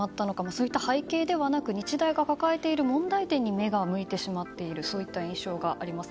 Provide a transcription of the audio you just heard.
そういった背景ではなく日大が抱えている問題点に目が向いてしまっているそういった印象です。